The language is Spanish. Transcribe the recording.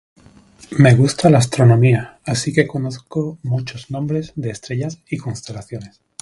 Me gusta la Astronomía, así que conozco muchos nombres de estrellas y constelaciones.